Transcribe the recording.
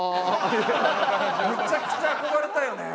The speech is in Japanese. むちゃくちゃ憧れたよね！